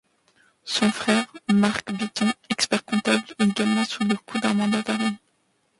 Son frère Marc Bitton, expert comptable, est également sous le coup d'un mandat d'arrêt.